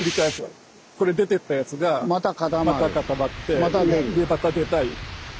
これ出てったやつがまた固まってまた出たい。